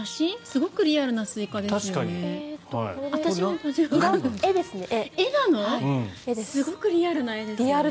すごくリアルなスイカですね。